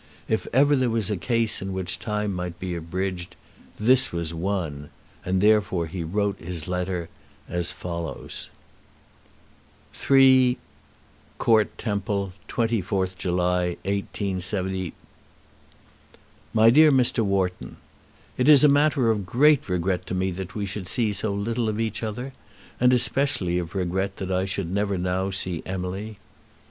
If ever there was a case in which time might be abridged, this was one; and therefore he wrote his letter, as follows: 3, Court, Temple, 24th July, 187 . MY DEAR MR. WHARTON, It is a matter of great regret to me that we should see so little of each other, and especially of regret that I should never now see Emily.